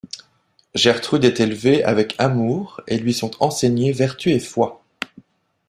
Gertrude est élevée avec amour et lui sont enseignées vertus et foi.